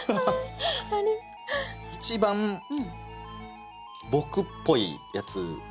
一番僕っぽいやつ。